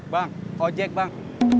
bang ojek bang